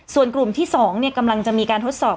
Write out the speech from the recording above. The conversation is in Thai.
ส่วนกลุ่มที่๒กำลังจะมีการทดสอบ